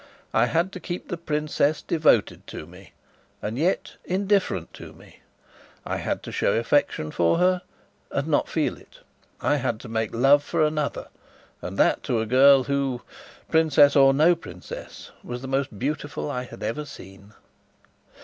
I had to keep the princess devoted to me and yet indifferent to me: I had to show affection for her and not feel it. I had to make love for another, and that to a girl who princess or no princess was the most beautiful I had ever seen.